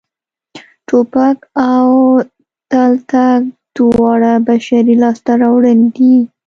ټوپک او تلتک دواړه بشري لاسته راوړنې دي